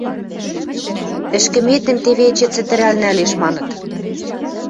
– Ӹшкӹметӹм теве эче цӹтӹрӓл нӓлеш, – маныт.